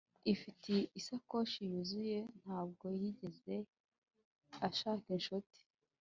ufite isakoshi yuzuye ntabwo yigeze ashaka inshuti.